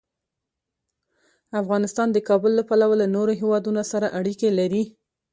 افغانستان د کابل له پلوه له نورو هېوادونو سره اړیکې لري.